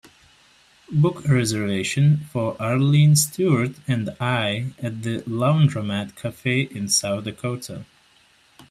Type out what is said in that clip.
Book a reservation for arlene stewart and I at The Laundromat Cafe in South Dakota